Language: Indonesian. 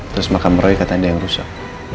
terus makam roy kata anda yang rusak